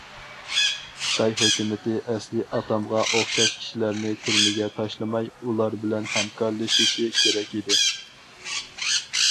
خىتاي ھۆكۈمىتى ئەسلى ئاتامغا ئوخشاش كىشىلەرنى تۈرمىگە تاشلىماي، ئۇلار بىلەن ھەمكارلىشىشى كېرەك ئىدى.